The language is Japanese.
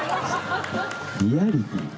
リアリティ。